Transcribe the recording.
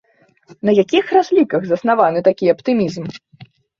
На якіх разліках заснаваны такі аптымізм?